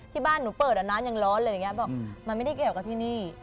ที่บ้านหนูเปิดน้ำยังร้อนเลยอย่างนี้บอกมันไม่ได้เกี่ยวกับที่นี่